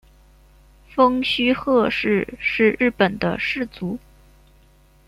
蜂须贺氏是日本的氏族。